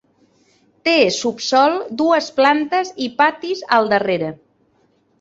Té subsòl, dues plantes i patis al darrere.